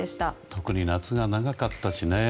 特に夏が長かったしね。